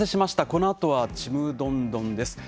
このあとは「ちむどんどん」です。